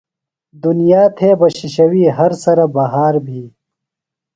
دُنیا تھےۡ بہ شِشویۡ، ہر سرہ بہار بھی